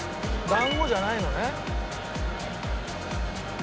団子じゃないの？